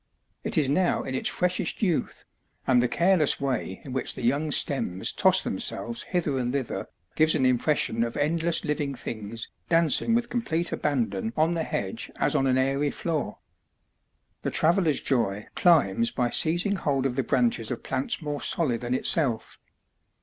It is now in its freshest youth, and the careless way in which the young stems toss themselves hither and thither gives an impression of endless living things dancing with complete abandon on the hedge as on an airy floor. The travellerŌĆÖs joy climbs by seizing hold of the branches of plants more solid than itself.